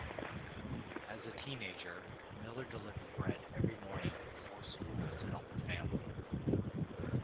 As a teenager, Miller delivered bread every morning before school to help the family.